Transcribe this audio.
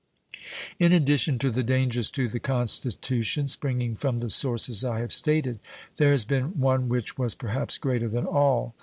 In addition to the dangers to the Constitution springing from the sources I have stated, there has been one which was perhaps greater than all.